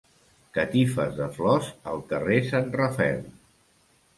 Catifes de flors al carrer Sant Rafael.